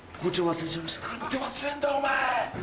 何で忘れんだよお前。